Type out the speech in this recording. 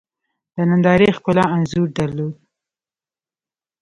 د نندارې ښکلا انځور درلود.